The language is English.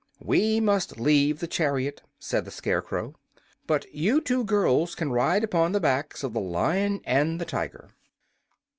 "We must leave the chariot," said the Scarecrow. "But you two girls can ride upon the backs of the Lion and the Tiger."